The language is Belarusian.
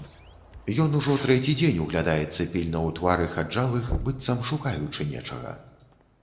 Ён ужо трэці дзень углядаецца пільна ў твары хаджалых, быццам шукаючы нечага.